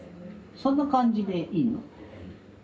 そんな感じでいいの？